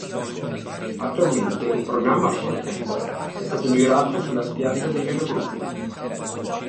Attualmente il programma Four Camp, è stato girato sulla spiaggia dei genovesi.